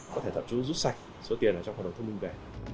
có thể rút sạch số tiền trong hợp đồng thông minh về